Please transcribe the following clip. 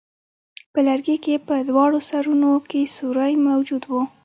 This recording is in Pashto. په لرګي کې په دواړو سرونو کې سوری موجود وو.